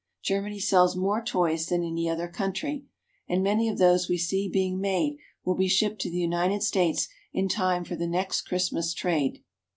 Germany sells more toys than any other country, and many of those we see being made will be shipped to the United States in time for the next Christmas trade.